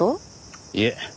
いえ。